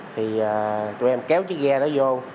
thì tụi em kéo chiếc ghe nó vô